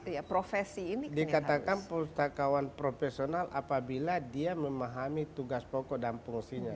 ya dikatakan pustakawan profesional apabila dia memahami tugas pokok dan fungsinya